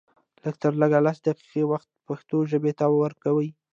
لږ تر لږه لس دقيقې وخت پښتو ژبې ته ورکوئ